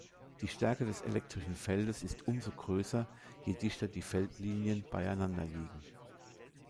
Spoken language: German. Die Stärke des elektrischen Feldes ist umso größer, je dichter die Feldlinien beieinander liegen.